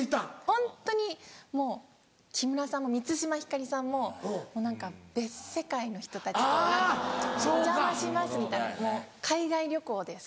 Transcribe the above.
ホントにもう木村さんも満島ひかりさんももう何か別世界の人たちでお邪魔しますみたいな海外旅行です。